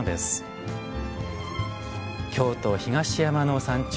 京都・東山の山頂